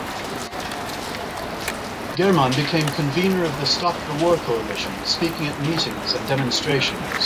German became convenor of the Stop the War Coalition, speaking at meetings and demonstrations.